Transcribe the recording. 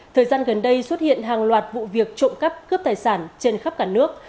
thời gian gần đây xuất hiện hàng loạt vụ việc trộm cắp cướp tài sản trên khắp cả nước